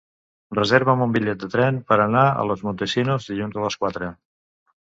Reserva'm un bitllet de tren per anar a Los Montesinos dilluns a les quatre.